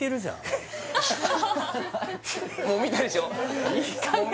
もう見たでしょ？